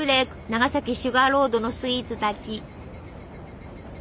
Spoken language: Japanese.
長崎シュガーロードのスイーツたち。